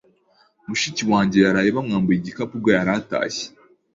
Mushiki wanjye yaraye bamwambuye igikapu ubwo yari atashye.